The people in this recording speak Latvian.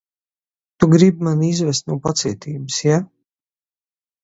Tu gribi mani izvest no pacietības, ja?